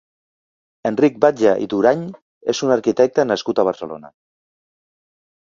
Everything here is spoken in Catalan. Enric Batlle i Durany és un arquitecte nascut a Barcelona.